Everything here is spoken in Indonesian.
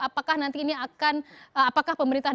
apakah nanti ini akan apakah pemerintah